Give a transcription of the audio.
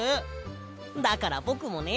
だからぼくもね